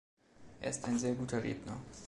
Er ist ein sehr guter Redner.